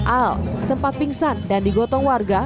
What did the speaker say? al sempat pingsan dan digotong warga